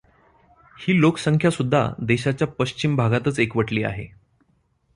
ही लोकसंख्यासुद्धा देशाच्या पश्चिम भागातच एकवटली आहे.